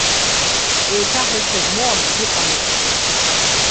Еиҭаҳәашьа змоу акгьы ыҟамызт.